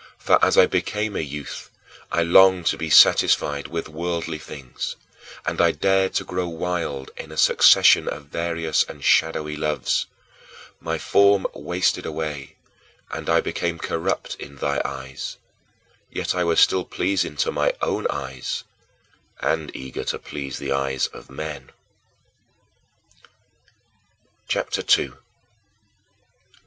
" For as I became a youth, I longed to be satisfied with worldly things, and I dared to grow wild in a succession of various and shadowy loves. My form wasted away, and I became corrupt in thy eyes, yet I was still pleasing to my own eyes and eager to please the eyes of men. CHAPTER II 2.